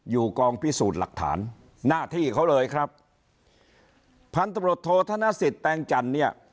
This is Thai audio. อยู่กองพิสูจน์หลักฐานหน้าที่เขาเลยครับพันธบทโทษธนสิทธิแตงจันทร์เนี่ย